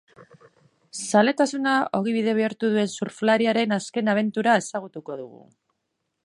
Zaletasuna ogibide bihurtu duen surflariaren azken abentura ezagutuko dugu.